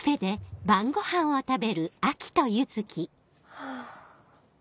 ハァ。